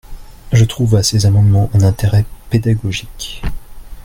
Je trouve à ces amendements un intérêt pédagogique.